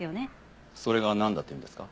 それがなんだというんですか？